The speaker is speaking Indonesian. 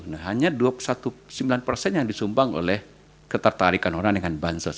nah hanya dua puluh sembilan persen yang disumbang oleh ketertarikan orang dengan bansos